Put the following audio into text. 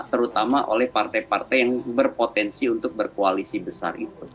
terutama oleh partai partai yang berpotensi untuk berkoalisi besar itu